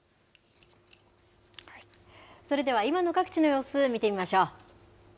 それでは今の各地の様子、見てみましょう。